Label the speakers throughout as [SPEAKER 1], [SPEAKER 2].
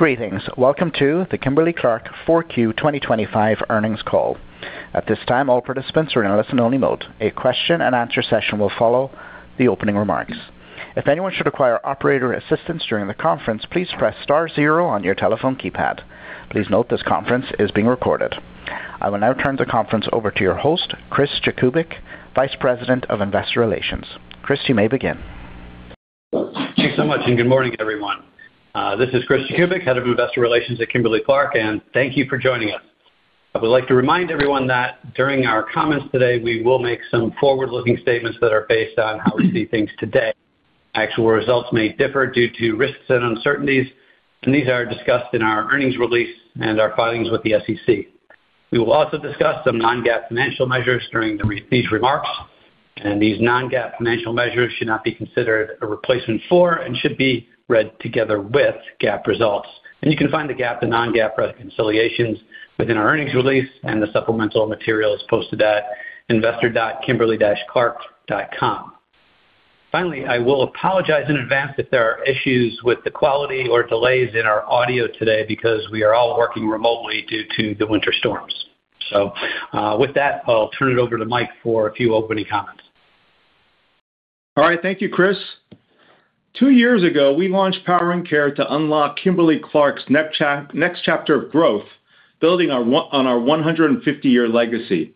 [SPEAKER 1] Greetings. Welcome to the Kimberly-Clark Q4 2025 earnings call. At this time, all participants are in a listen-only mode. A question-and-answer session will follow the opening remarks. If anyone should require operator assistance during the conference, please press star zero on your telephone keypad. Please note this conference is being recorded. I will now turn the conference over to your host, Chris Jakubik, Vice President of Investor Relations. Chris, you may begin.
[SPEAKER 2] Thank you so much, and good morning, everyone. This is Chris Jakubik, Head of Investor Relations at Kimberly-Clark, and thank you for joining us. I would like to remind everyone that during our comments today, we will make some forward-looking statements that are based on how we see things today. Actual results may differ due to risks and uncertainties, and these are discussed in our earnings release and our filings with the SEC. We will also discuss some non-GAAP financial measures during these remarks, and these non-GAAP financial measures should not be considered a replacement for and should be read together with GAAP results. You can find the GAAP and non-GAAP reconciliations within our earnings release and the supplemental materials posted at investor.kimberly-clark.com. Finally, I will apologize in advance if there are issues with the quality or delays in our audio today because we are all working remotely due to the winter storms. With that, I'll turn it over to Mike for a few opening comments.
[SPEAKER 3] All right. Thank you, Chris. Two years ago, we launched Powering Care to unlock Kimberly-Clark's next chapter of growth, building on our 150-year legacy.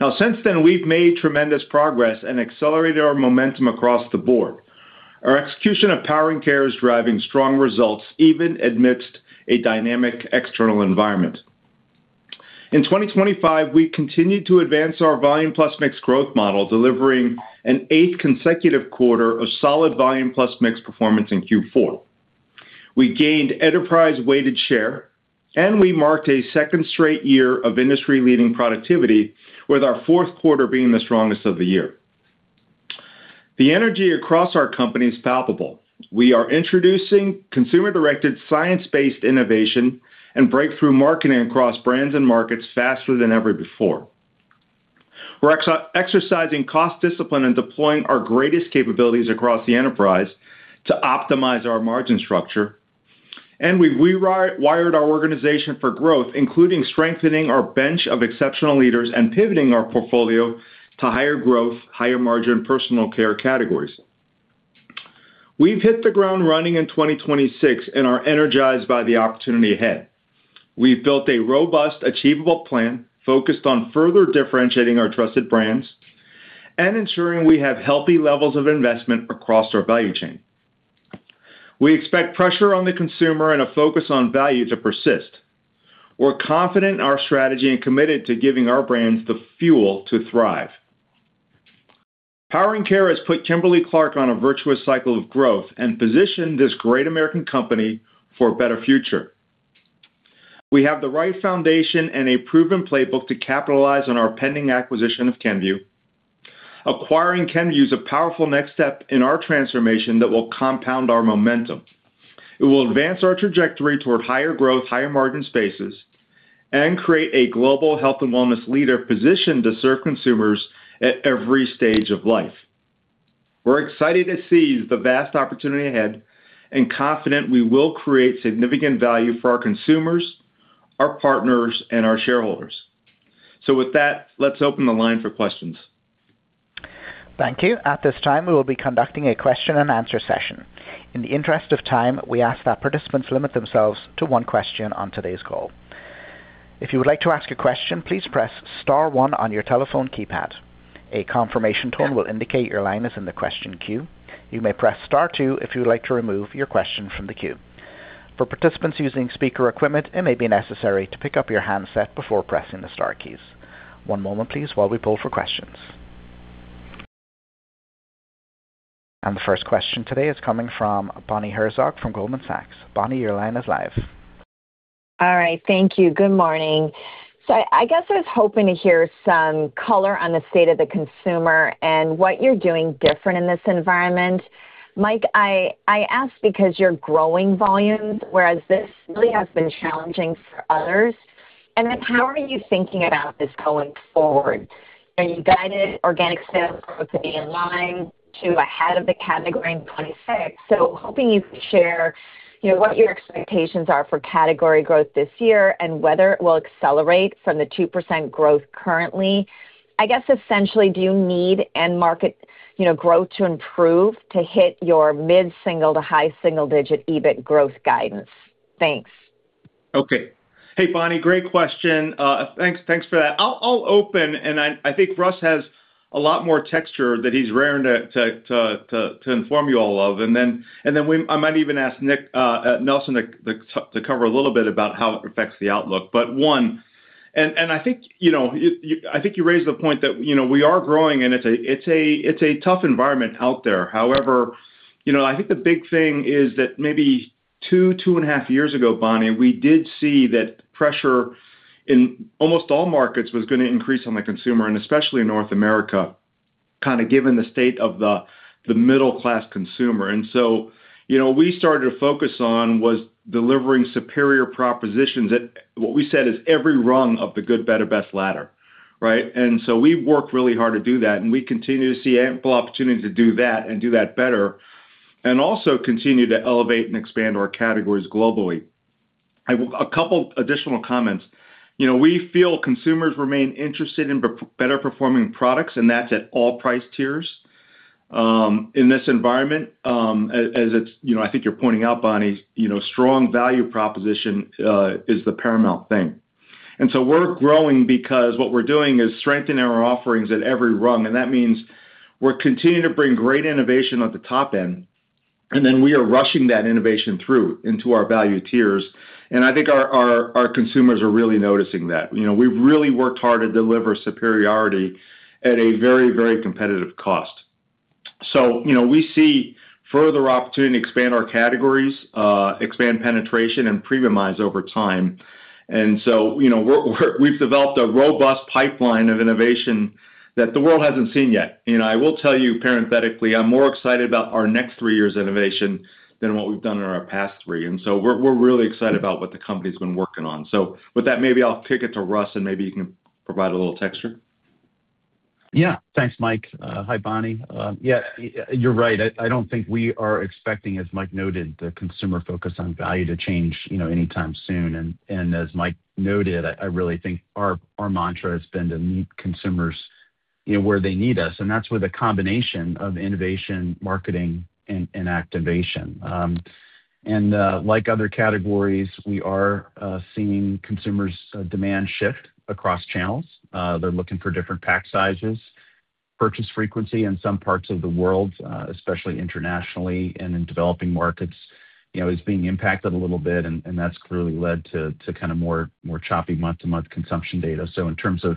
[SPEAKER 3] Now, since then, we've made tremendous progress and accelerated our momentum across the board. Our execution of Powering Care is driving strong results even amidst a dynamic external environment. In 2025, we continued to advance our volume-plus-mix growth model, delivering an eighth consecutive quarter of solid volume-plus-mix performance in Q4. We gained enterprise-weighted share, and we marked a second straight year of industry-leading productivity, with our Q4 being the strongest of the year. The energy across our company is palpable. We are introducing consumer-directed, science-based innovation and breakthrough marketing across brands and markets faster than ever before. We're exercising cost discipline and deploying our greatest capabilities across the enterprise to optimize our margin structure. We've rewired our organization for growth, including strengthening our bench of exceptional leaders and pivoting our portfolio to higher growth, higher-margin personal care categories. We've hit the ground running in 2026, and are energized by the opportunity ahead. We've built a robust, achievable plan focused on further differentiating our trusted brands and ensuring we have healthy levels of investment across our value chain. We expect pressure on the consumer and a focus on value to persist. We're confident in our strategy and committed to giving our brands the fuel to thrive. Powering Care has put Kimberly-Clark on a virtuous cycle of growth and positioned this great American company for a better future. We have the right foundation and a proven playbook to capitalize on our pending acquisition of Kenvue. Acquiring Kenvue is a powerful next step in our transformation that will compound our momentum. It will advance our trajectory toward higher growth, higher-margin spaces, and create a global health and wellness leader positioned to serve consumers at every stage of life. We're excited to seize the vast opportunity ahead and confident we will create significant value for our consumers, our partners, and our shareholders. With that, let's open the line for questions.
[SPEAKER 1] Thank you. At this time, we will be conducting a question-and-answer session. In the interest of time, we ask that participants limit themselves to one question on today's call. If you would like to ask a question, please press star one on your telephone keypad. A confirmation tone will indicate your line is in the question queue. You may press star two if you would like to remove your question from the queue. For participants using speaker equipment, it may be necessary to pick up your handset before pressing the star keys. One moment, please, while we pull for questions. The first question today is coming from Bonnie Herzog from Goldman Sachs. Bonnie, your line is live.
[SPEAKER 4] All right. Thank you. Good morning. So I guess I was hoping to hear some color on the state of the consumer and what you're doing different in this environment. Mike, I ask because you're growing volumes, whereas this really has been challenging for others. And then how are you thinking about this going forward? You guided organic sales growth to be in line to ahead of the category in 2026. So hoping you can share what your expectations are for category growth this year and whether it will accelerate from the 2% growth currently. I guess, essentially, do you need end market growth to improve to hit your mid-single to high-single-digit EBIT growth guidance? Thanks.
[SPEAKER 3] Okay. Hey, Bonnie, great question. Thanks for that. I'll open, and I think Russ has a lot more texture that he's raring to inform you all of. And then I might even ask Nelson to cover a little bit about how it affects the outlook. But one, and I think you raised the point that we are growing, and it's a tough environment out there. However, I think the big thing is that maybe 2, 2.5 years ago, Bonnie, we did see that pressure in almost all markets was going to increase on the consumer, and especially in North America, kind of given the state of the middle-class consumer. And so what we started to focus on was delivering superior propositions. What we said is every rung of the good, better, best ladder, right? And so we've worked really hard to do that, and we continue to see ample opportunity to do that and do that better, and also continue to elevate and expand our categories globally. A couple of additional comments. We feel consumers remain interested in better-performing products, and that's at all price tiers in this environment. As I think you're pointing out, Bonnie, strong value proposition is the paramount thing. And so we're growing because what we're doing is strengthening our offerings at every rung. And that means we're continuing to bring great innovation at the top end, and then we are rushing that innovation through into our value tiers. And I think our consumers are really noticing that. We've really worked hard to deliver superiority at a very, very competitive cost. So we see further opportunity to expand our categories, expand penetration, and premiumize over time. We've developed a robust pipeline of innovation that the world hasn't seen yet. I will tell you parenthetically, I'm more excited about our next three years' innovation than what we've done in our past three. We're really excited about what the company's been working on. With that, maybe I'll kick it to Russ, and maybe you can provide a little texture.
[SPEAKER 5] Yeah. Thanks, Mike. Hi, Bonnie. Yeah, you're right. I don't think we are expecting, as Mike noted, the consumer focus on value to change anytime soon. And as Mike noted, I really think our mantra has been to meet consumers where they need us. And that's with a combination of innovation, marketing, and activation. And like other categories, we are seeing consumers' demand shift across channels. They're looking for different pack sizes. Purchase frequency in some parts of the world, especially internationally and in developing markets, is being impacted a little bit, and that's clearly led to kind of more choppy month-to-month consumption data. So in terms of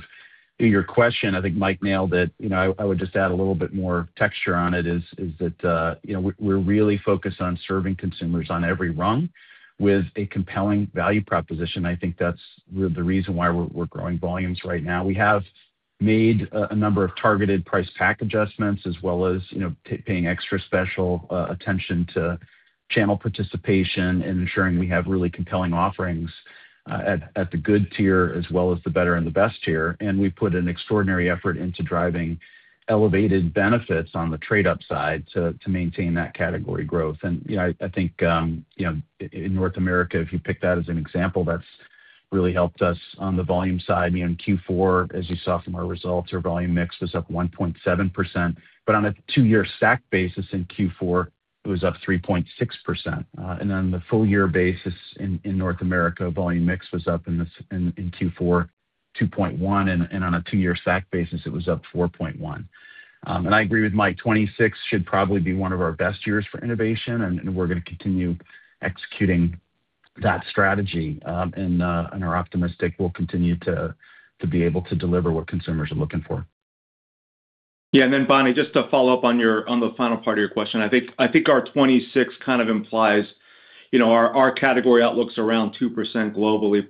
[SPEAKER 5] your question, I think Mike nailed it. I would just add a little bit more texture on it is that we're really focused on serving consumers on every rung with a compelling value proposition. I think that's really the reason why we're growing volumes right now. We have made a number of targeted price pack adjustments as well as paying extra special attention to channel participation and ensuring we have really compelling offerings at the good tier as well as the better and the best tier. We put an extraordinary effort into driving elevated benefits on the trade-up side to maintain that category growth. I think in North America, if you pick that as an example, that's really helped us on the volume side. In Q4, as you saw from our results, our volume mix was up 1.7%. But on a two-year stack basis in Q4, it was up 3.6%. And on the full-year basis in North America, volume mix was up in Q4 2.1, and on a two-year stack basis, it was up 4.1. I agree with Mike, 2026 should probably be one of our best years for innovation, and we're going to continue executing that strategy. Our optimism will continue to be able to deliver what consumers are looking for.
[SPEAKER 3] Yeah. And then, Bonnie, just to follow up on the final part of your question, I think our 2026 kind of implies our category outlook's around ±2% globally.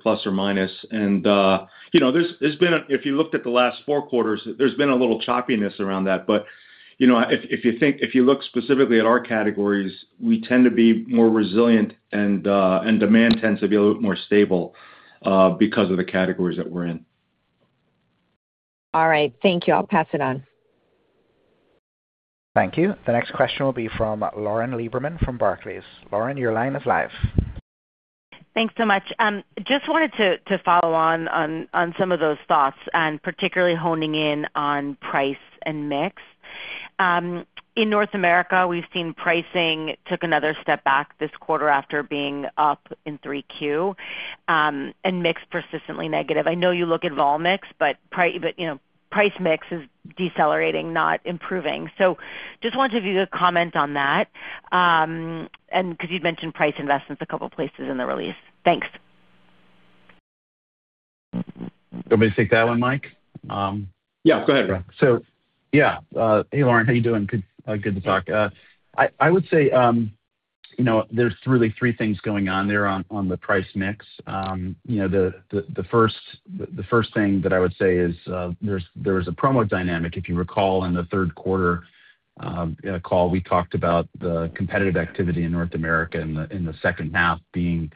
[SPEAKER 3] And there's been a, if you looked at the last four quarters, there's been a little choppiness around that. But if you look specifically at our categories, we tend to be more resilient, and demand tends to be a little more stable because of the categories that we're in.
[SPEAKER 4] All right. Thank you. I'll pass it on.
[SPEAKER 1] Thank you. The next question will be from Lauren Lieberman from Barclays. Lauren, your line is live.
[SPEAKER 6] Thanks so much. Just wanted to follow on some of those thoughts and particularly honing in on price and mix. In North America, we've seen pricing took another step back this quarter after being up in Q3 and mix persistently negative. I know you look at vol mix, but price mix is decelerating, not improving. So just wanted to give you a comment on that because you'd mentioned price investments a couple of places in the release. Thanks.
[SPEAKER 5] Do you want me to take that one, Mike?
[SPEAKER 3] Yeah. Go ahead, Russ.
[SPEAKER 5] So, yeah. Hey, Lauren. How are you doing? Good to talk. I would say there's really three things going on there on the price mix. The first thing that I would say is there was a promo dynamic, if you recall, in the Q3 call. We talked about the competitive activity in North America in the second half being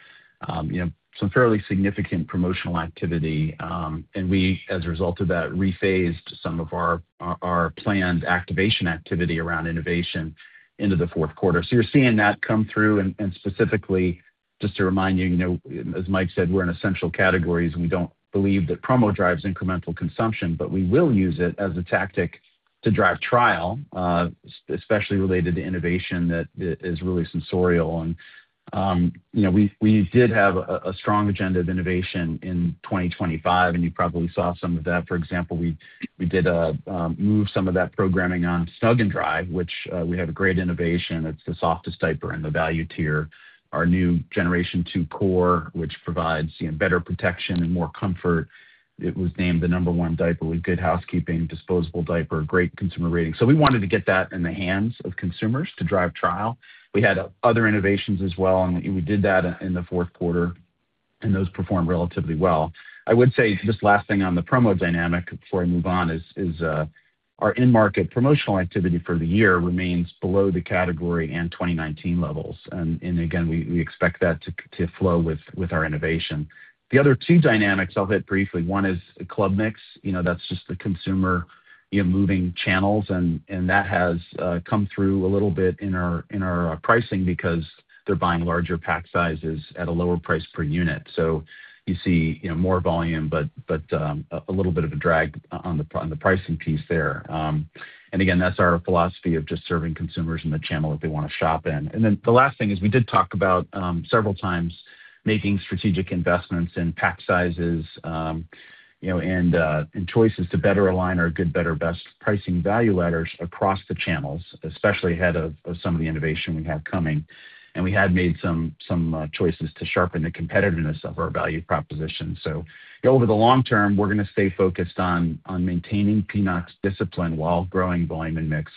[SPEAKER 5] some fairly significant promotional activity. And we, as a result of that, rephased some of our planned activation activity around innovation into the Q4. So you're seeing that come through. And specifically, just to remind you, as Mike said, we're in essential categories. We don't believe that promo drives incremental consumption, but we will use it as a tactic to drive trial, especially related to innovation that is really sensorial. And we did have a strong agenda of innovation in 2025, and you probably saw some of that. For example, we did move some of that programming on Snug & Dry, which we have a great innovation. It's the softest diaper in the value tier. Our new generation 2 Core, which provides better protection and more comfort, it was named the number one diaper with Good Housekeeping, disposable diaper, great consumer rating. So we wanted to get that in the hands of consumers to drive trial. We had other innovations as well, and we did that in the Q4, and those performed relatively well. I would say just last thing on the promo dynamic before I move on is our in-market promotional activity for the year remains below the category and 2019 levels. And again, we expect that to flow with our innovation. The other two dynamics I'll hit briefly. One is club mix. That's just the consumer moving channels, and that has come through a little bit in our pricing because they're buying larger pack sizes at a lower price per unit. So you see more volume, but a little bit of a drag on the pricing piece there. And again, that's our philosophy of just serving consumers in the channel that they want to shop in. And then the last thing is we did talk about several times making strategic investments in pack sizes and choices to better align our good, better, best pricing value ladders across the channels, especially ahead of some of the innovation we have coming. And we had made some choices to sharpen the competitiveness of our value proposition. So over the long term, we're going to stay focused on maintaining pricing discipline while growing volume and mix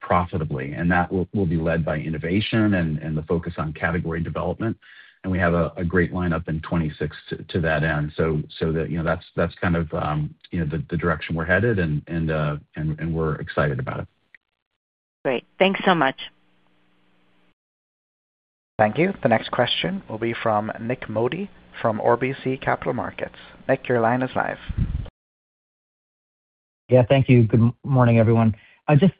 [SPEAKER 5] profitably. And that will be led by innovation and the focus on category development. And we have a great lineup in 2026 to that end. So that's kind of the direction we're headed, and we're excited about it.
[SPEAKER 6] Great. Thanks so much.
[SPEAKER 1] Thank you. The next question will be from Nik Modi from RBC Capital Markets. Nik, your line is live.
[SPEAKER 7] Yeah. Thank you. Good morning, everyone. Just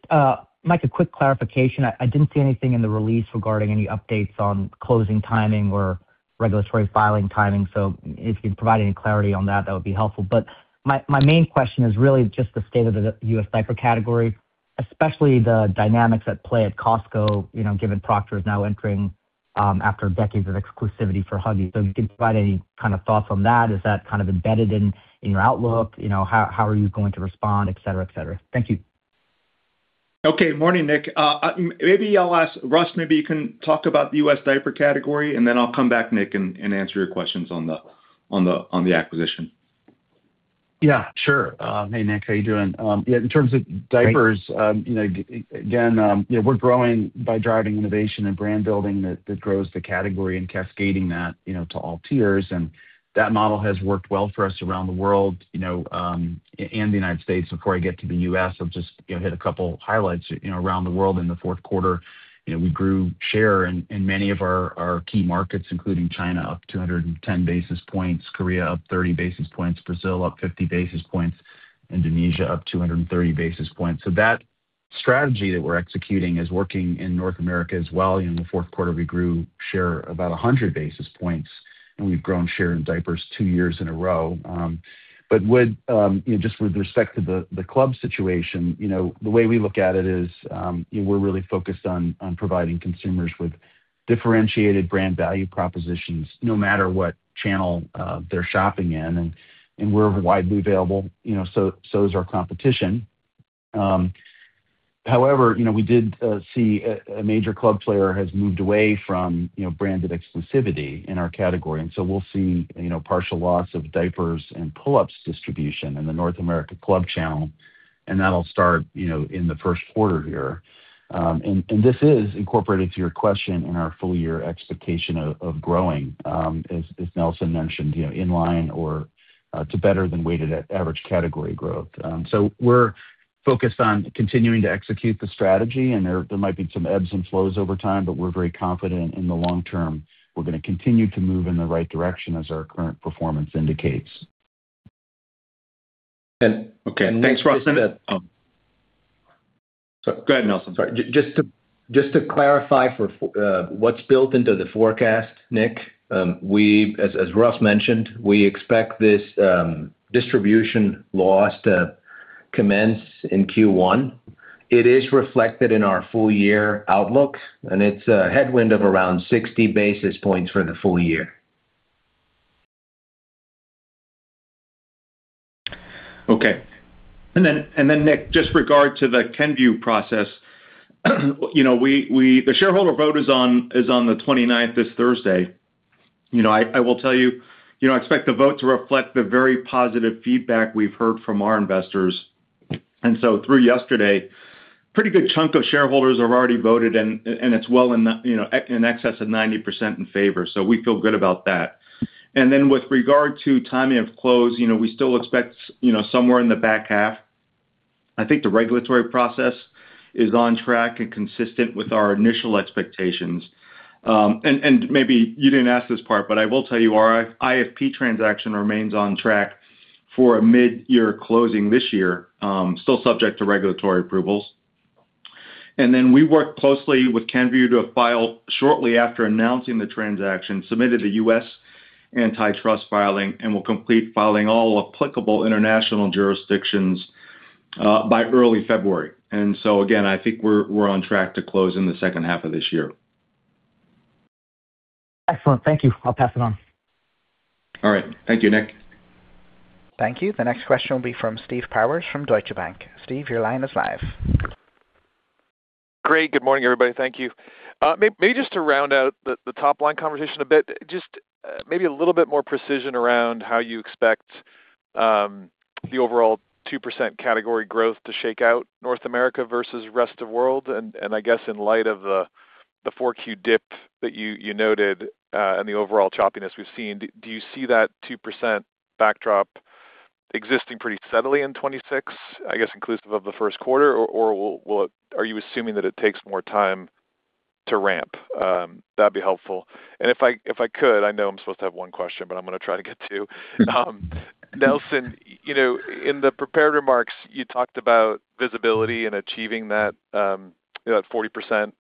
[SPEAKER 7] Mike, a quick clarification. I didn't see anything in the release regarding any updates on closing timing or regulatory filing timing. So if you can provide any clarity on that, that would be helpful. But my main question is really just the state of the U.S. diaper category, especially the dynamics at play at Costco, given Procter is now entering after decades of exclusivity for Huggies. So if you can provide any kind of thoughts on that, is that kind of embedded in your outlook? How are you going to respond, et cetera., et cetera.? Thank you.
[SPEAKER 3] Okay. Morning, Nik. Maybe I'll ask Russ, maybe you can talk about the U.S. diaper category, and then I'll come back, Nik, and answer your questions on the acquisition.
[SPEAKER 5] Yeah. Sure. Hey, Nik, how are you doing? In terms of diapers, again, we're growing by driving innovation and brand building that grows the category and cascading that to all tiers. That model has worked well for us around the world and the United States. Before I get to the U.S., I'll just hit a couple of highlights around the world in the Q4. We grew share in many of our key markets, including China, up 210 basis points, Korea up 30 basis points, Brazil up 50 basis points, Indonesia up 230 basis points. That strategy that we're executing is working in North America as well. In the Q4, we grew share about 100 basis points, and we've grown share in diapers two years in a row. But just with respect to the club situation, the way we look at it is we're really focused on providing consumers with differentiated brand value propositions no matter what channel they're shopping in. And we're widely available, so is our competition. However, we did see a major club player has moved away from branded exclusivity in our category. And so we'll see partial loss of diapers and Pull-Ups distribution in the North America club channel, and that'll start in the Q1 here. And this is incorporated to your question in our full-year expectation of growing, as Nelson mentioned, in line or to better than weighted at average category growth. So we're focused on continuing to execute the strategy, and there might be some ebbs and flows over time, but we're very confident in the long term. We're going to continue to move in the right direction as our current performance indicates.
[SPEAKER 7] Okay. Thanks, Russ.
[SPEAKER 3] Go ahead, Nelson. Sorry.
[SPEAKER 8] Just to clarify for what's built into the forecast, Nik, as Russ mentioned, we expect this distribution loss to commence in Q1. It is reflected in our full-year outlook, and it's a headwind of around 60 basis points for the full year.
[SPEAKER 3] Okay. And then, Nik, with regard to the Kenvue process, the shareholder vote is on the 29th, this Thursday. I will tell you, I expect the vote to reflect the very positive feedback we've heard from our investors. And so through yesterday, a pretty good chunk of shareholders have already voted, and it's well in excess of 90% in favor. So we feel good about that. And then with regard to timing of close, we still expect somewhere in the back half. I think the regulatory process is on track and consistent with our initial expectations. And maybe you didn't ask this part, but I will tell you our IFP transaction remains on track for a mid-year closing this year, still subject to regulatory approvals. Then we work closely with Kenvue to file shortly after announcing the transaction, submit to the U.S. antitrust filing, and we'll complete filing all applicable international jurisdictions by early February. So again, I think we're on track to close in the second half of this year.
[SPEAKER 7] Excellent. Thank you. I'll pass it on.
[SPEAKER 3] All right. Thank you, Nik.
[SPEAKER 1] Thank you. The next question will be from Steve Powers from Deutsche Bank. Steve, your line is live.
[SPEAKER 9] Great. Good morning, everybody. Thank you. Maybe just to round out the top-line conversation a bit, just maybe a little bit more precision around how you expect the overall 2% category growth to shake out North America versus the rest of the world. And I guess in light of the Q4 dip that you noted and the overall choppiness we've seen, do you see that 2% backdrop existing pretty steadily in 2026, I guess, inclusive of the Q1, or are you assuming that it takes more time to ramp? That'd be helpful. And if I could, I know I'm supposed to have one question, but I'm going to try to get two. Nelson, in the prepared remarks, you talked about visibility and achieving that 40%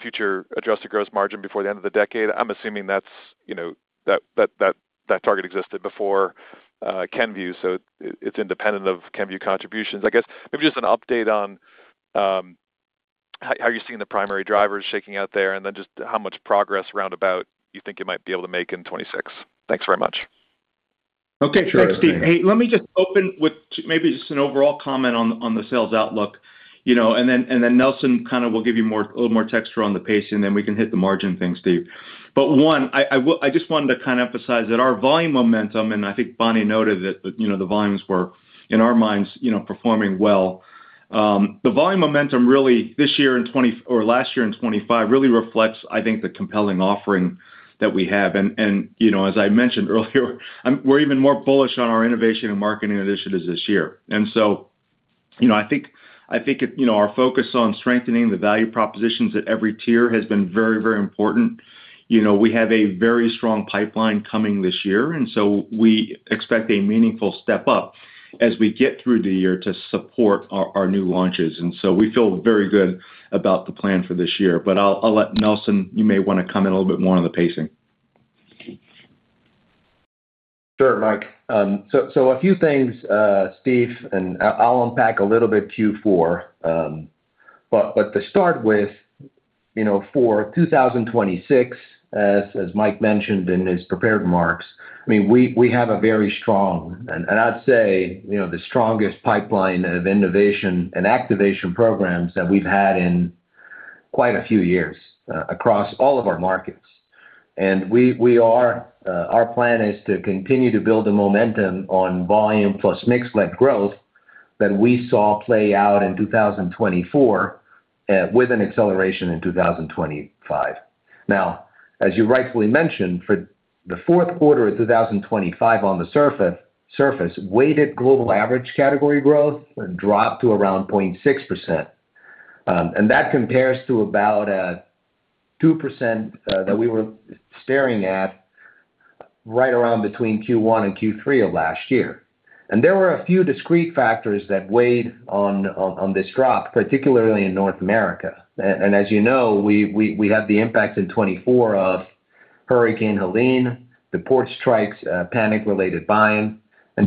[SPEAKER 9] future adjusted gross margin before the end of the decade. I'm assuming that target existed before Kenvue. So it's independent of Kenvue contributions. I guess maybe just an update on how you're seeing the primary drivers shaking out there and then just how much progress roundabout you think you might be able to make in 2026? Thanks very much.
[SPEAKER 3] Okay. Thanks, Steve. Hey, let me just open with maybe just an overall comment on the sales outlook. Then Nelson kind of will give you a little more texture on the pace, and then we can hit the margin thing, Steve. But one, I just wanted to kind of emphasize that our volume momentum, and I think Bonnie noted that the volumes were in our minds performing well. The volume momentum really this year in 2020 or last year in 2025 really reflects, I think, the compelling offering that we have. And as I mentioned earlier, we're even more bullish on our innovation and marketing initiatives this year. And so I think our focus on strengthening the value propositions at every tier has been very, very important. We have a very strong pipeline coming this year, and so we expect a meaningful step up as we get through the year to support our new launches. And so we feel very good about the plan for this year. But I'll let Nelson, you may want to comment a little bit more on the pacing.
[SPEAKER 8] Sure, Mike. So a few things, Steve, and I'll unpack a little bit Q4. But to start with, for 2026, as Mike mentioned in his prepared remarks, I mean, we have a very strong, and I'd say the strongest pipeline of innovation and activation programs that we've had in quite a few years across all of our markets. Our plan is to continue to build the momentum on volume-plus-mix-led growth that we saw play out in 2024 with an acceleration in 2025. Now, as you rightfully mentioned, for the Q4 of 2025 on the surface, weighted global average category growth dropped to around 0.6%. And that compares to about a 2% that we were staring at right around between Q1 and Q3 of last year. And there were a few discrete factors that weighed on this drop, particularly in North America. As you know, we had the impact in 2024 of Hurricane Helene, the port strikes, panic-related buying.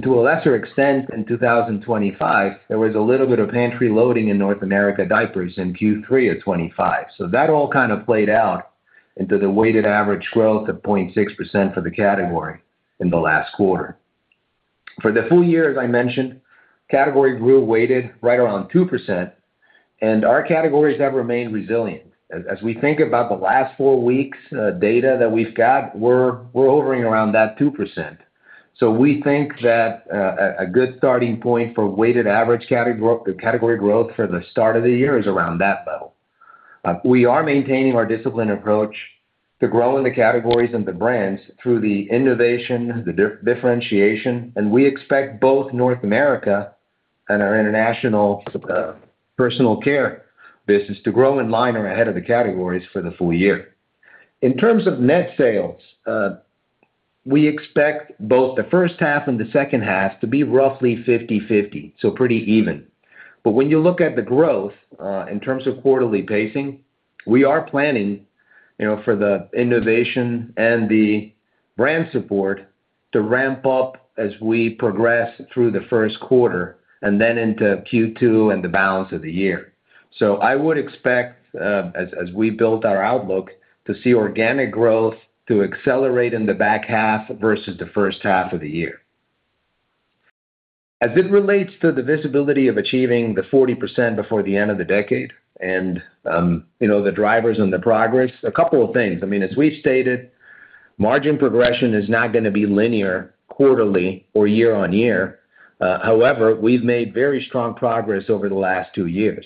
[SPEAKER 8] To a lesser extent, in 2025, there was a little bit of pantry loading in North America diapers in Q3 of 2025. So that all kind of played out into the weighted average growth of 0.6% for the category in the last quarter. For the full year, as I mentioned, category grew weighted right around 2%. Our categories have remained resilient. As we think about the last four weeks, data that we've got, we're hovering around that 2%. We think that a good starting point for weighted average category growth for the start of the year is around that level. We are maintaining our discipline approach to grow in the categories and the brands through the innovation, the differentiation. We expect both North America and our international personal care business to grow in line or ahead of the categories for the full year. In terms of net sales, we expect both the first half and the second half to be roughly 50/50, so pretty even. When you look at the growth in terms of quarterly pacing, we are planning for the innovation and the brand support to ramp up as we progress through the Q1 and then into Q2 and the balance of the year. I would expect, as we built our outlook, to see organic growth to accelerate in the back half versus the first half of the year. As it relates to the visibility of achieving the 40% before the end of the decade and the drivers and the progress, a couple of things. I mean, as we've stated, margin progression is not going to be linear quarterly or year-on-year. However, we've made very strong progress over the last two years.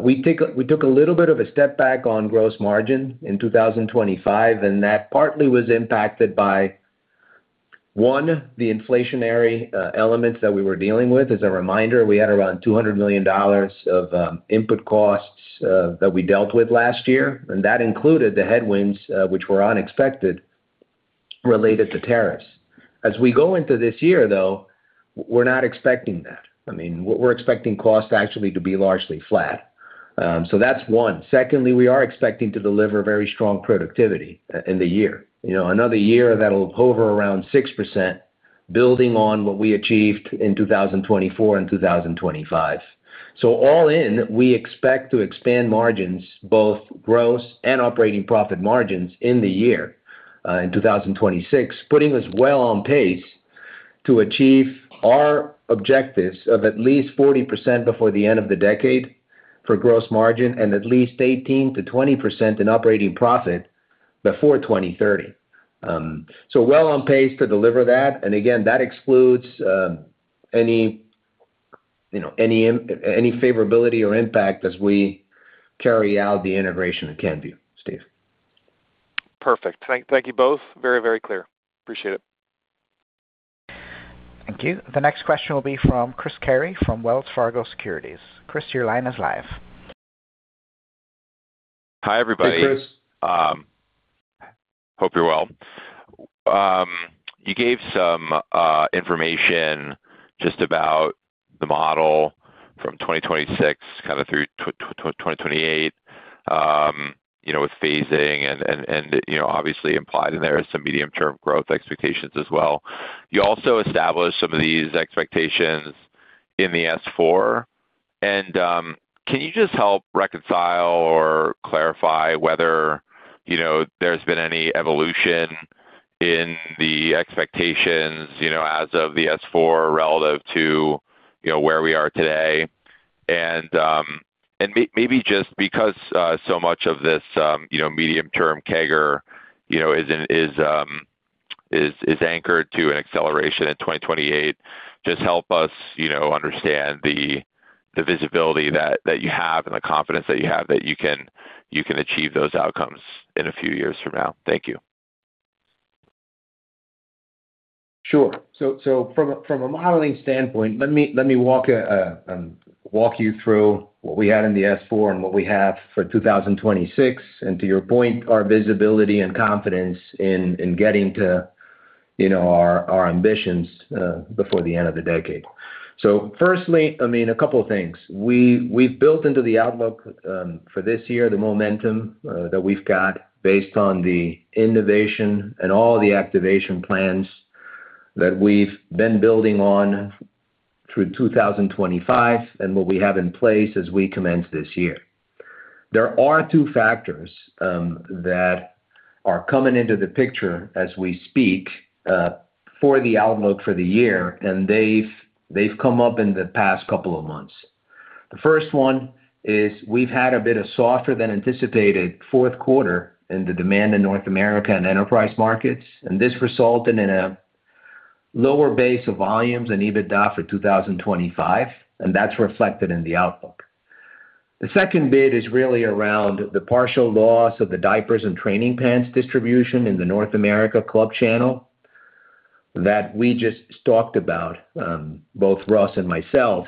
[SPEAKER 8] We took a little bit of a step back on gross margin in 2025, and that partly was impacted by, one, the inflationary elements that we were dealing with. As a reminder, we had around $200 million of input costs that we dealt with last year. That included the headwinds, which were unexpected related to tariffs. As we go into this year, though, we're not expecting that. I mean, we're expecting costs actually to be largely flat. So that's one. Secondly, we are expecting to deliver very strong productivity in the year. Another year that'll hover around 6%, building on what we achieved in 2024 and 2025. So all in, we expect to expand margins, both gross and operating profit margins in the year in 2026, putting us well on pace to achieve our objectives of at least 40% before the end of the decade for gross margin and at least 18%-20% in operating profit before 2030. So well on pace to deliver that. And again, that excludes any favorability or impact as we carry out the integration of Kenvue, Steve.
[SPEAKER 9] Perfect. Thank you both. Very, very clear. Appreciate it.
[SPEAKER 1] Thank you. The next question will be from Chris Carey from Wells Fargo Securities. Chris, your line is live.
[SPEAKER 10] Hi, everybody.
[SPEAKER 3] Hey, Chris.
[SPEAKER 10] Hope you're well. You gave some information just about the model from 2026 kind of through 2028 with phasing and obviously implied in there some medium-term growth expectations as well. You also established some of these expectations in the S-4. And can you just help reconcile or clarify whether there's been any evolution in the expectations as of the S-4 relative to where we are today? And maybe just because so much of this medium-term agenda is anchored to an acceleration in 2028, just help us understand the visibility that you have and the confidence that you have that you can achieve those outcomes in a few years from now. Thank you.
[SPEAKER 8] Sure. So from a modeling standpoint, let me walk you through what we had in the S-4 and what we have for 2026. And to your point, our visibility and confidence in getting to our ambitions before the end of the decade. So firstly, I mean, a couple of things. We've built into the outlook for this year the momentum that we've got based on the innovation and all the activation plans that we've been building on through 2025 and what we have in place as we commence this year. There are two factors that are coming into the picture as we speak for the outlook for the year, and they've come up in the past couple of months. The first one is we've had a bit of softer-than-anticipated Q4 in the demand in North America and enterprise markets. This resulted in a lower base of volumes and EBITDA for 2025, and that's reflected in the outlook. The second bit is really around the partial loss of the diapers and training pants distribution in the North America club channel that we just talked about, both Russ and myself,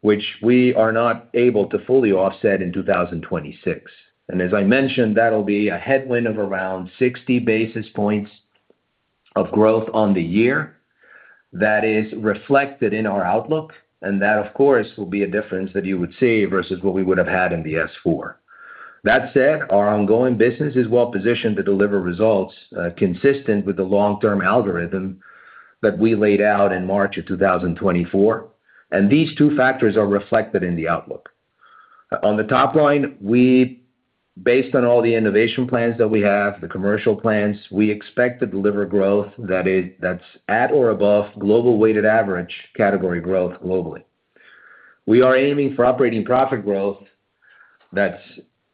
[SPEAKER 8] which we are not able to fully offset in 2026. As I mentioned, that'll be a headwind of around 60 basis points of growth on the year that is reflected in our outlook. And that, of course, will be a difference that you would see versus what we would have had in the S-4. That said, our ongoing business is well-positioned to deliver results consistent with the long-term algorithm that we laid out in March of 2024. These two factors are reflected in the outlook. On the top line, based on all the innovation plans that we have, the commercial plans, we expect to deliver growth that's at or above global weighted average category growth globally. We are aiming for operating profit growth that's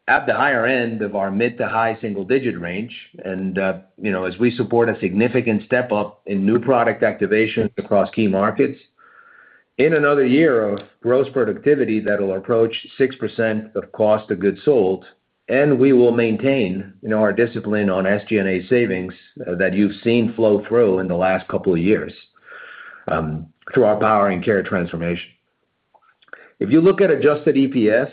[SPEAKER 8] at the higher end of our mid- to high-single-digit range. As we support a significant step up in new product activation across key markets in another year of gross productivity that'll approach 6% of cost of goods sold, we will maintain our discipline on SG&A savings that you've seen flow through in the last couple of years through our Powering Care transformation. If you look at adjusted EPS,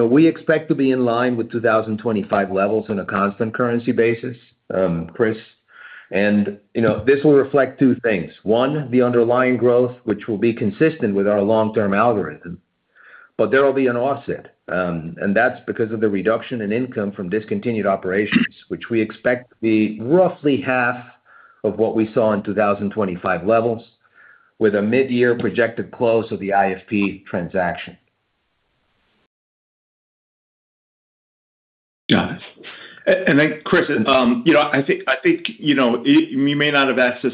[SPEAKER 8] we expect to be in line with 2025 levels on a constant currency basis, Chris. And this will reflect two things. One, the underlying growth, which will be consistent with our long-term algorithm, but there will be an offset. That's because of the reduction in income from discontinued operations, which we expect to be roughly half of what we saw in 2025 levels with a mid-year projected close of the IFP transaction.
[SPEAKER 10] Got it.
[SPEAKER 3] And Chris, I think you may not have access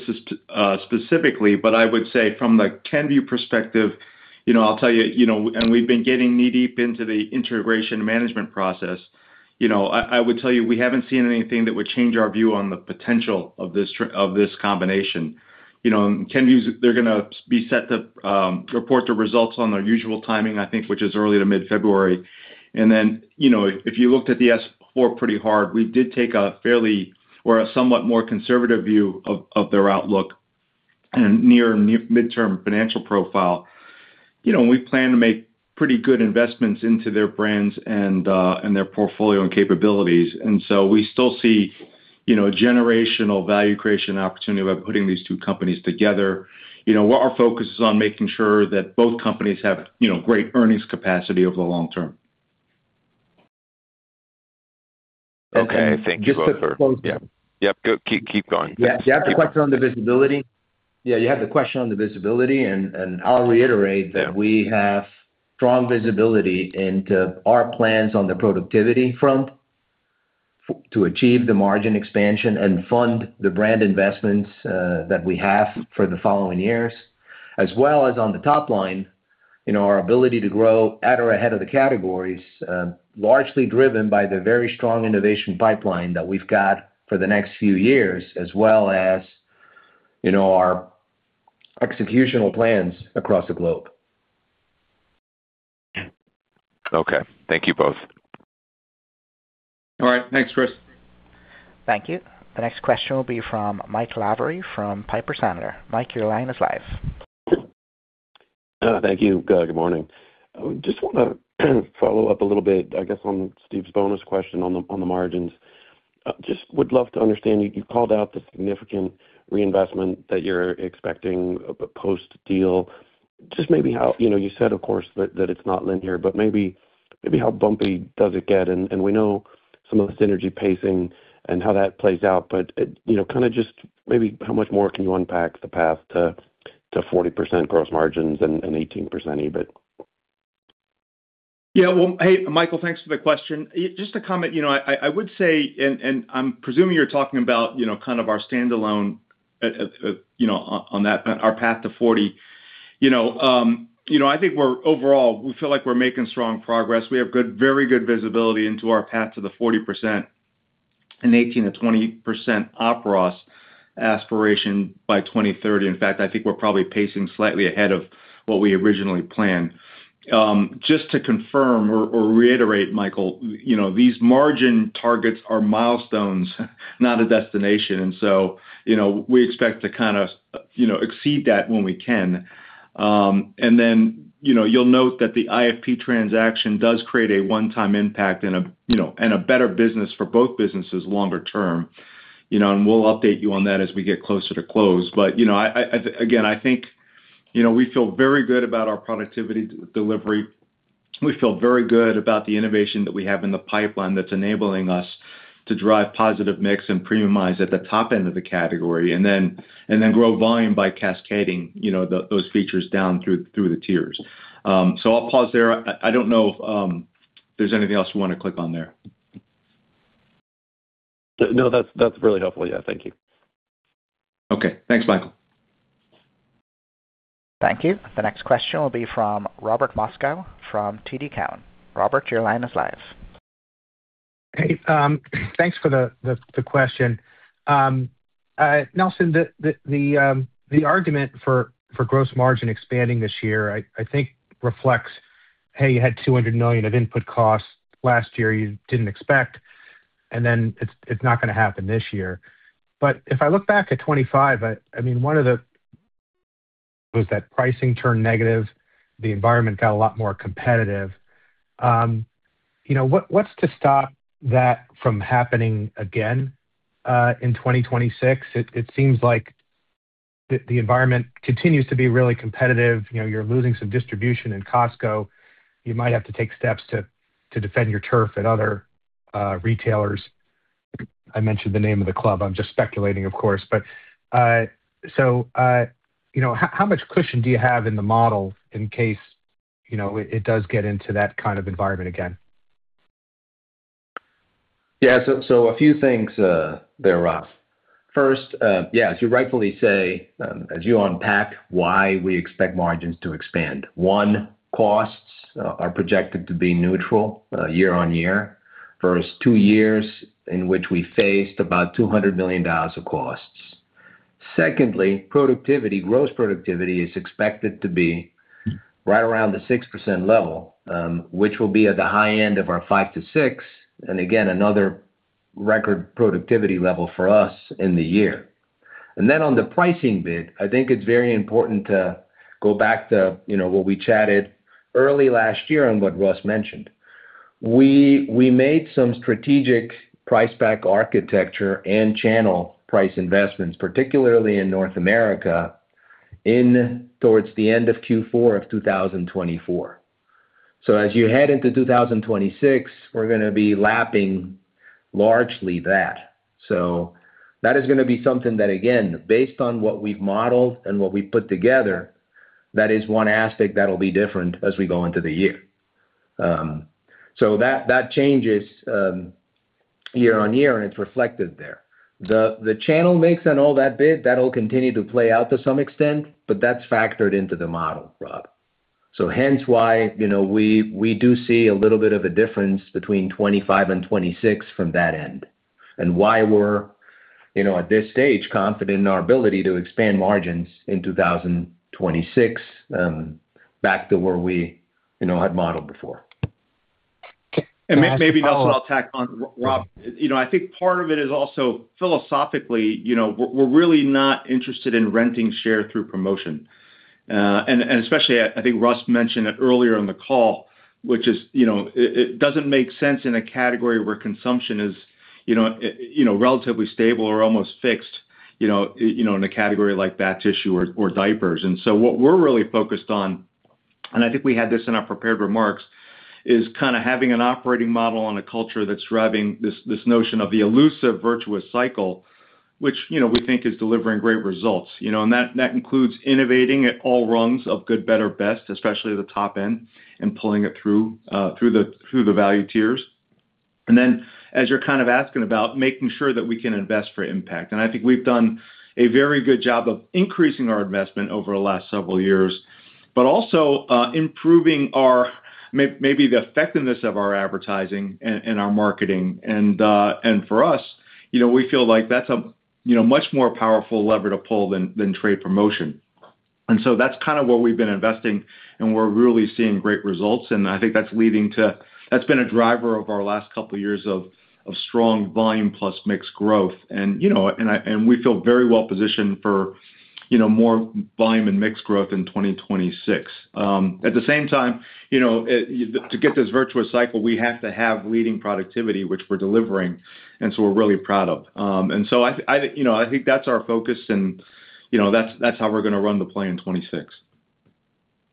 [SPEAKER 3] specifically, but I would say from the Kenvue perspective, I'll tell you, and we've been getting knee-deep into the integration management process. I would tell you we haven't seen anything that would change our view on the potential of this combination. Kenvue, they're going to be set to report the results on their usual timing, I think, which is early to mid-February. And then if you looked at the S-4 pretty hard, we did take a fairly or a somewhat more conservative view of their outlook and near midterm financial profile. We plan to make pretty good investments into their brands and their portfolio and capabilities. And so we still see a generational value creation opportunity by putting these two companies together. Our focus is on making sure that both companies have great earnings capacity over the long term.
[SPEAKER 10] Okay. Thank you, Nelson.
[SPEAKER 3] Yep. Keep going.
[SPEAKER 8] Do you have a question on the visibility? Yeah, you have the question on the visibility. I'll reiterate that we have strong visibility into our plans on the productivity front to achieve the margin expansion and fund the brand investments that we have for the following years, as well as on the top line, our ability to grow at or ahead of the categories, largely driven by the very strong innovation pipeline that we've got for the next few years, as well as our executional plans across the globe.
[SPEAKER 10] Okay. Thank you both.
[SPEAKER 3] All right. Thanks, Chris.
[SPEAKER 1] Thank you. The next question will be from Mike Lavery from Piper Sandler. Mike, your line is live.
[SPEAKER 11] Thank you. Good morning. I just want to follow up a little bit, I guess, on Steve's bonus question on the margins. Just would love to understand. You called out the significant reinvestment that you're expecting post-deal. Just maybe how you said, of course, that it's not linear, but maybe how bumpy does it get? And we know some of the synergy pacing and how that plays out, but kind of just maybe how much more can you unpack the path to 40% gross margins and 18% EBIT?
[SPEAKER 3] Yeah. Well, hey, Michael, thanks for the question. Just a comment. I would say, and I'm presuming you're talking about kind of our standalone on that, our path to 40. I think overall, we feel like we're making strong progress. We have very good visibility into our path to the 40% and 18%-20% OPROS aspiration by 2030. In fact, I think we're probably pacing slightly ahead of what we originally planned. Just to confirm or reiterate, Michael, these margin targets are milestones, not a destination. And so we expect to kind of exceed that when we can. And then you'll note that the IFP transaction does create a one-time impact and a better business for both businesses longer term. And we'll update you on that as we get closer to close. But again, I think we feel very good about our productivity delivery. We feel very good about the innovation that we have in the pipeline that's enabling us to drive positive mix and premiumize at the top end of the category and then grow volume by cascading those features down through the tiers. So I'll pause there. I don't know if there's anything else you want to click on there.
[SPEAKER 11] No, that's really helpful. Yeah. Thank you.
[SPEAKER 3] Okay. Thanks, Michael.
[SPEAKER 1] Thank you. The next question will be from Robert Moskow from TD Cowen. Robert, your line is live.
[SPEAKER 12] Hey. Thanks for the question. Nelson, the argument for gross margin expanding this year, I think, reflects, hey, you had $200 million of input costs last year you didn't expect, and then it's not going to happen this year. But if I look back at 2025, I mean, one of the was that pricing turned negative. The environment got a lot more competitive. What's to stop that from happening again in 2026? It seems like the environment continues to be really competitive. You're losing some distribution in Costco. You might have to take steps to defend your turf at other retailers. I mentioned the name of the club. I'm just speculating, of course. So how much cushion do you have in the model in case it does get into that kind of environment again?
[SPEAKER 8] Yeah. So a few things there, Russ. First, yeah, as you rightfully say, as you unpack why we expect margins to expand. One, costs are projected to be neutral year-on-year. There's two years in which we faced about $200 million of costs. Secondly, productivity, gross productivity is expected to be right around the 6% level, which will be at the high end of our 5%-6%, and again, another record productivity level for us in the year. And then on the pricing bit, I think it's very important to go back to what we chatted early last year on what Russ mentioned. We made some strategic price-pack architecture and channel price investments, particularly in North America, in towards the end of Q4 of 2024. So as you head into 2026, we're going to be lapping largely that. So that is going to be something that, again, based on what we've modeled and what we put together, that is one aspect that'll be different as we go into the year. So that changes year-on-year, and it's reflected there. The channel mix and all that bit, that'll continue to play out to some extent, but that's factored into the model, Rob. So hence why we do see a little bit of a difference between 2025 and 2026 from that end, and why we're at this stage confident in our ability to expand margins in 2026 back to where we had modeled before.
[SPEAKER 3] And maybe, Nelson, I'll tack on. Rob, I think part of it is also philosophically, we're really not interested in renting share through promotion. And especially, I think Russ mentioned it earlier on the call, which is it doesn't make sense in a category where consumption is relatively stable or almost fixed in a category like bath tissue or diapers. And so what we're really focused on, and I think we had this in our prepared remarks, is kind of having an operating model on a culture that's driving this notion of the elusive virtuous cycle, which we think is delivering great results. And that includes innovating at all rungs of good, better, best, especially the top end, and pulling it through the value tiers. And then as you're kind of asking about making sure that we can invest for impact. I think we've done a very good job of increasing our investment over the last several years, but also improving maybe the effectiveness of our advertising and our marketing. For us, we feel like that's a much more powerful lever to pull than trade promotion. So that's kind of where we've been investing, and we're really seeing great results. I think that's been a driver of our last couple of years of strong volume plus mixed growth. We feel very well positioned for more volume and mixed growth in 2026. At the same time, to get this virtuous cycle, we have to have leading productivity, which we're delivering, and so we're really proud of. So I think that's our focus, and that's how we're going to run the play in 2026.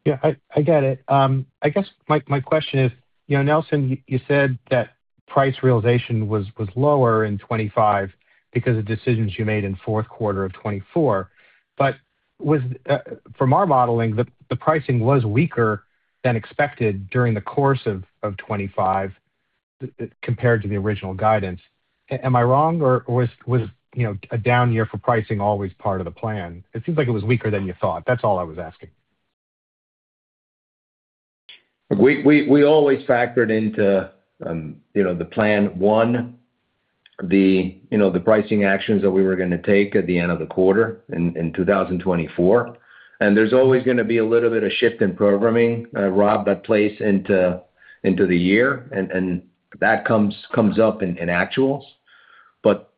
[SPEAKER 12] Yeah, I get it. I guess my question is, Nelson, you said that price realization was lower in 2025 because of decisions you made in Q4 of 2024. But from our modeling, the pricing was weaker than expected during the course of 2025 compared to the original guidance. Am I wrong, or was a down year for pricing always part of the plan? It seems like it was weaker than you thought. That's all I was asking.
[SPEAKER 8] We always factored into the plan one, the pricing actions that we were going to take at the end of the quarter in 2024. There's always going to be a little bit of shift in programming, Rob, that plays into the year, and that comes up in actuals.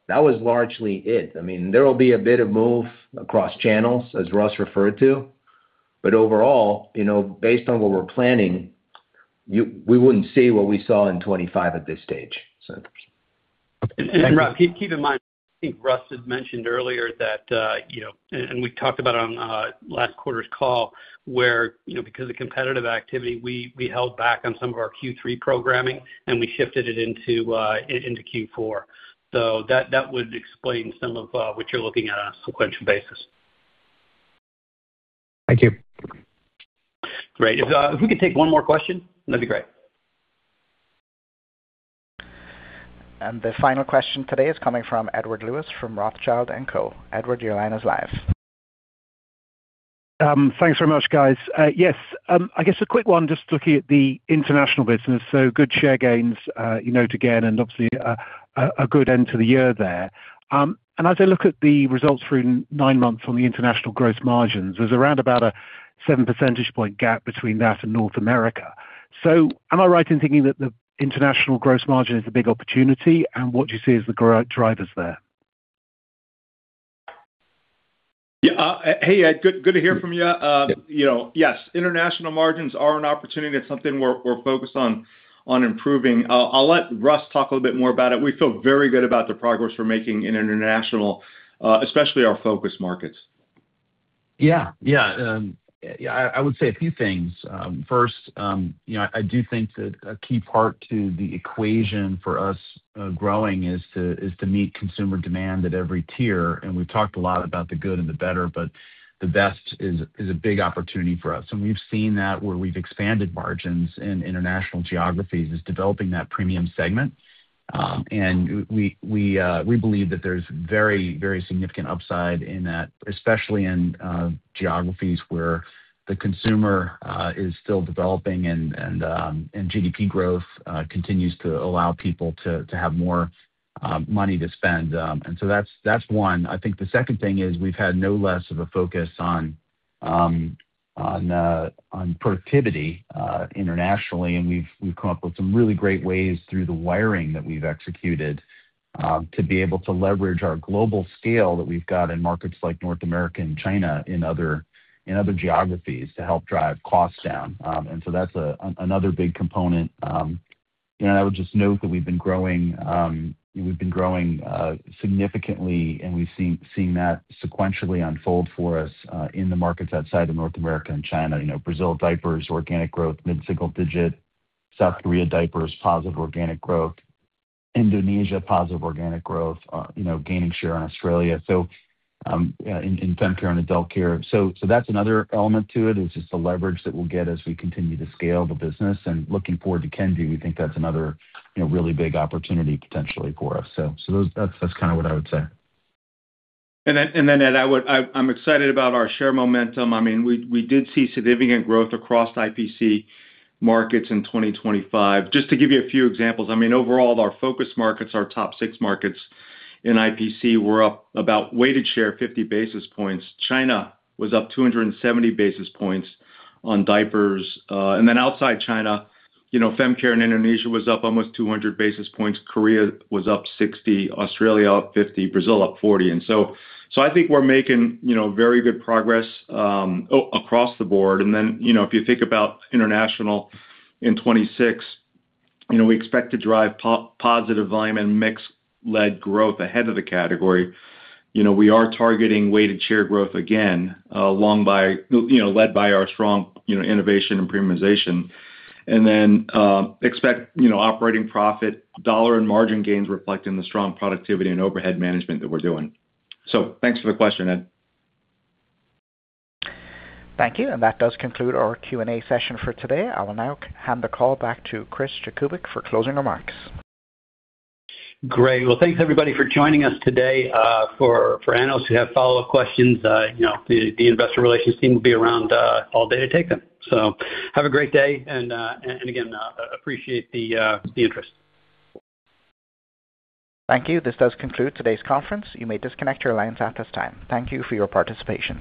[SPEAKER 8] That was largely it. I mean, there will be a bit of move across channels, as Russ referred to. Overall, based on what we're planning, we wouldn't see what we saw in 2025 at this stage.
[SPEAKER 3] Rob, keep in mind, I think Russ had mentioned earlier that, and we talked about it on last quarter's call, where because of competitive activity, we held back on some of our Q3 programming, and we shifted it into Q4. That would explain some of what you're looking at on a sequential basis.
[SPEAKER 12] Thank you.
[SPEAKER 3] Great. If we could take one more question, that'd be great.
[SPEAKER 1] The final question today is coming from Edward Lewis from Rothschild & Co. Edward, your line is live.
[SPEAKER 13] Thanks very much, guys. Yes, I guess a quick one, just looking at the international business. So good share gains to gain, and obviously a good end to the year there. And as I look at the results for nine months on the international gross margins, there's around about a 7 percentage point gap between that and North America. So, am I right in thinking that the international gross margin is the big opportunity, and what do you see as the drivers there?
[SPEAKER 3] Yeah. Hey, Ed, good to hear from you. Yes, international margins are an opportunity. It's something we're focused on improving. I'll let Russ talk a little bit more about it. We feel very good about the progress we're making in international, especially our focus markets.
[SPEAKER 5] Yeah. Yeah. Yeah. I would say a few things. First, I do think that a key part to the equation for us growing is to meet consumer demand at every tier. And we've talked a lot about the good and the better, but the best is a big opportunity for us. And we've seen that where we've expanded margins in international geographies is developing that premium segment. And we believe that there's very, very significant upside in that, especially in geographies where the consumer is still developing and GDP growth continues to allow people to have more money to spend. And so that's one. I think the second thing is we've had no less of a focus on productivity internationally. We've come up with some really great ways through the wiring that we've executed to be able to leverage our global scale that we've got in markets like North America and China in other geographies to help drive costs down. So that's another big component. I would just note that we've been growing significantly, and we've seen that sequentially unfold for us in the markets outside of North America and China. Brazil diapers, organic growth, mid-single digit. South Korea diapers, positive organic growth. Indonesia, positive organic growth, gaining share in Australia. So, in Fem Care and Adult Care. That's another element to it. It's just the leverage that we'll get as we continue to scale the business. Looking forward to Kenvue, we think that's another really big opportunity potentially for us. So that's kind of what I would say.
[SPEAKER 3] And then, Ed, I'm excited about our share momentum. I mean, we did see significant growth across IPC markets in 2025. Just to give you a few examples, I mean, overall, our focus markets, our top six markets in IPC, we're up about weighted share 50 basis points. China was up 270 basis points on diapers. And then outside China, Fem Care in Indonesia was up almost 200 basis points. Korea was up 60, Australia up 50, Brazil up 40. And so I think we're making very good progress across the board. And then if you think about international in 2026, we expect to drive positive volume and mix-led growth ahead of the category. We are targeting weighted share growth again, led by our strong innovation and premiumization. And then expect operating profit, dollar, and margin gains reflecting the strong productivity and overhead management that we're doing. Thanks for the question, Ed.
[SPEAKER 1] Thank you. And that does conclude our Q&A session for today. I will now hand the call back to Chris Jakubik for closing remarks.
[SPEAKER 2] Great. Well, thanks, everybody, for joining us today. For analysts who have follow-up questions, the investor relations team will be around all day to take them. So have a great day. And again, appreciate the interest.
[SPEAKER 1] Thank you. This does conclude today's conference. You may disconnect your lines at this time. Thank you for your participation.